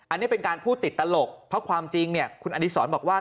อันนี้เป็นการพูดติดตลกเพราะความจริงเนี่ยคุณอดีศรบอกว่า